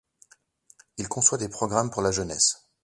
Il conçoit des programmes pour la jeunesse.